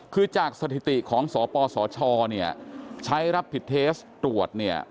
คือจากสถิติของสปสชใช้รับผิดเทสต์ตรวจ